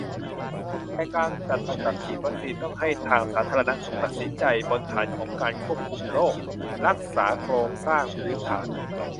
แต่การจัดลำดับฉีดวัคซีนต้องให้ทางสาธารณสุขตัดสินใจ บนฐานของการควบคุมโรค-รักษาโครงสร้างพื้นฐาน